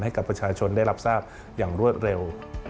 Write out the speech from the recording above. ให้กับประชาชนได้รับทราบอย่างรวดเร็ว